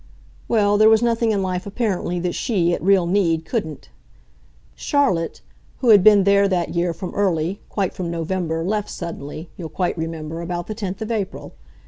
Well, there was nothing in life, apparently, that she, at real need, couldn't. "Charlotte, who had been there, that year, from early, quite from November, left suddenly, you'll quite remember, about the 10th of April.